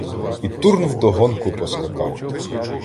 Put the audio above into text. І Турн вдогонку поскакав.